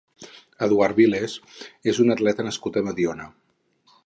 Eduard Viles és un atleta nascut a Mediona.